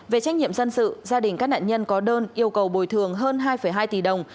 về trách nhiệm dân sự gia đình các nạn nhân có đơn yêu cầu bồi thường hơn hai hai tỷ đồng